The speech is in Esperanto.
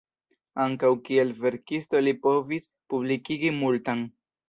Ankaŭ kiel verkisto li povis publikigi multan.